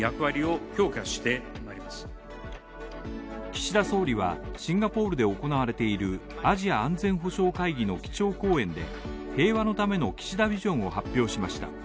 岸田総理はシンガポールで行われているアジア安全保障会議の基調講演で平和のための岸田ビジョンを発表しました。